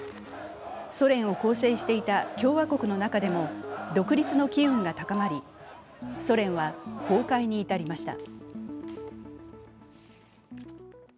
ソ連を構成していた共和国の中でも独立の機運が高まり、ソ連は崩壊に至りました。